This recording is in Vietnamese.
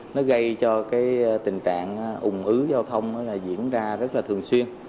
nó gây cho tình trạng ủng ứ giao thông diễn ra rất là thường xuyên